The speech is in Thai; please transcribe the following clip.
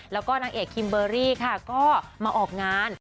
แล้วก็นางเอกคิมเบอร์รี่ค่ะก็มาออกงาน